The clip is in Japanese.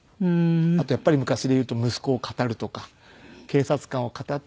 あとやっぱり昔でいうと息子をかたるとか警察官をかたって。